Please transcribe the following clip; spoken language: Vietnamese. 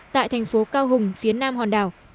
tại thành phố cao hùng phía nam hòn đảo